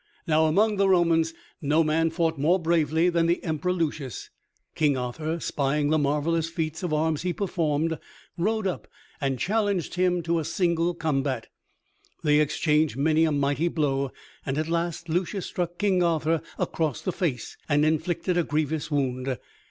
Now, among the Romans, no man fought more bravely than the Emperor Lucius. King Arthur, spying the marvelous feats of arms he performed, rode up and challenged him to a single combat. They exchanged many a mighty blow, and at last Lucius struck King Arthur across the face, and inflicted a grievous wound.